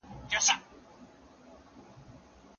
الله تعالی قرآن کريم په عربي ژبه نازل کړی دی.